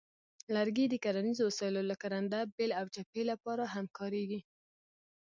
لرګي د کرنیزو وسایلو لکه رنده، بیل، او چپې لپاره هم کارېږي.